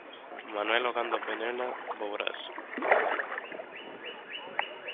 Manuel Ogando Penela, Boborás.